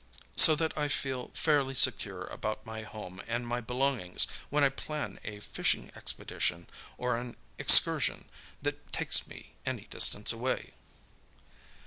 So that I feel fairly secure about my home and my belongings when I plan a fishing expedition or an excursion that takes me any distance away."